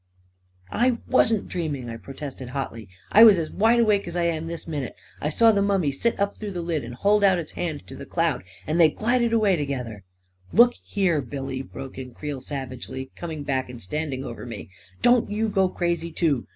"I wasn't dreaming I " I protested hotly. "I was as wide awake as I am this minute. I saw the mummy sit up through the lid, and hold out its 310 A KING IN BABYLON hand to the cloud, and they glided away to gether ..."" Look here, Billy/* broke in Creel savagely, com ing back and standing over me, " don't you go crazy, too!